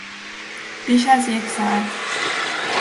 بیش از یک ساعت